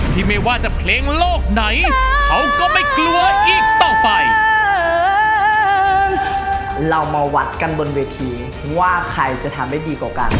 ที่ไม่ว่าจะเพลงโลกไหนเขาก็ไม่กลัวอีกต่อไป